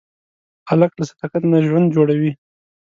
هلک له صداقت نه ژوند جوړوي.